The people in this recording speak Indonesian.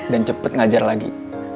dan cepet ngajar lagi